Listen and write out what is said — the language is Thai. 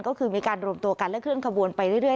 ก็คือมีการรวมตัวกันและเคลื่อนขบวนไปเรื่อย